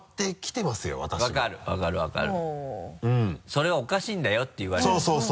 「それはおかしいんだよ」って言われる。